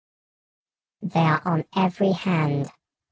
"They are on every hand.